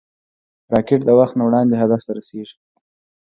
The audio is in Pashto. راکټ د وخت نه وړاندې هدف ته رسېږي